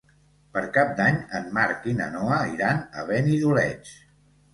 Per Cap d'Any en Marc i na Noa iran a Benidoleig.